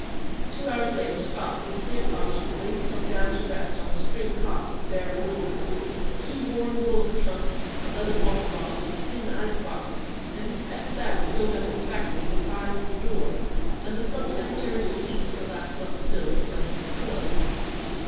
Two hours later, Scott, with a clear conscience, laid himself down to rest on a string cot in a bare room. Two worn bullock trunks, a leather water bottle, a tin ice box, and his pet saddle sewed up in sacking were piled at the door, and the Club secretary's receipt for last month's bill was under his pillow.